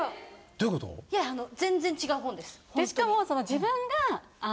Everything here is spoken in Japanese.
しかも。